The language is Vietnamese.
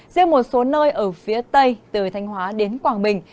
riêng một số nơi ở phía tây từ thanh hóa đến quảng bình